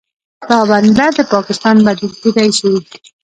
دا بندر د پاکستان بدیل کیدی شي.